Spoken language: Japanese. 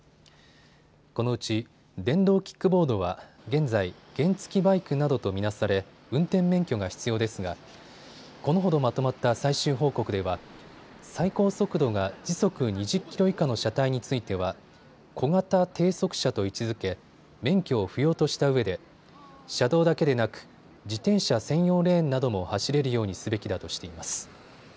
このうち電動キックボードは現在、原付きバイクなどと見なされ運転免許が必要ですがこのほどまとまった最終報告では最高速度が時速２０キロ以下の車体については小型低速車と位置づけ免許を不要としたうえで車道だけでなく自転車専用レーンなども走れるようにすべきだとしています。